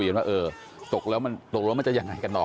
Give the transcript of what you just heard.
ว่ามันว่าเออตกแนวมันจะอย่างไรกันอ่อ